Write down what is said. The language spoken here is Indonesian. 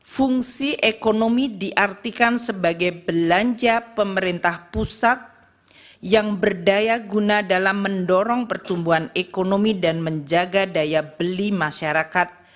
fungsi ekonomi diartikan sebagai belanja pemerintah pusat yang berdaya guna dalam mendorong pertumbuhan ekonomi dan menjaga daya beli masyarakat